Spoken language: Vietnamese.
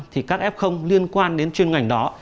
thì các f liên quan đến chuyên ngành đó